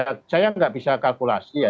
jadi ya pak saya nggak bisa kalkulasi ya